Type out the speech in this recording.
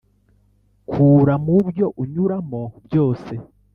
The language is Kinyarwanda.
kura mubyo unyuramo byose.